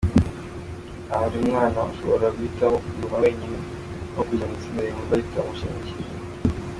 Aba ari umwana ushobora guhitamo kuguma wenyine aho kujya mu itsinda yumva ritamushimishije.